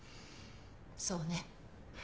そうね。